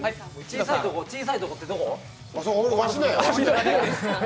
小さいとこってどこ？